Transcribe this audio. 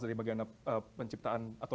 dari bagian penciptaan atau